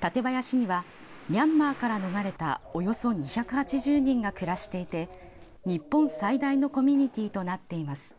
館林には、ミャンマーから逃れたおよそ２８０人が暮らしていて日本最大のコミュニティーとなっています。